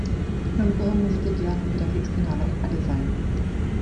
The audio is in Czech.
Krom toho můžete dělat i grafický návrh a design.